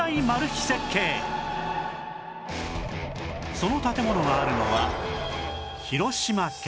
その建物があるのは